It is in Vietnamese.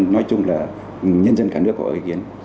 nói chung là nhân dân cả nước có ý kiến